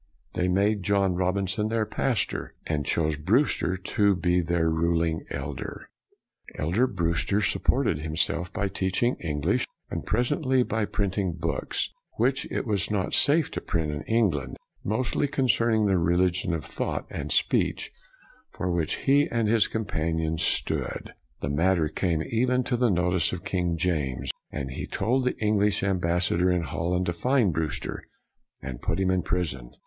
They made John Robinson their pastor, and chose Brewster to be their ruling elder. BREWSTER 201 Elder Brewster supported himself by teaching English, and presently by print ing books which it was not safe to print in England, mostly concerning the freedom of thought and speech for which he and his companions stood. The matter came even to the notice of King James, and he told the English ambassador in Holland to find Brewster and put him in prison.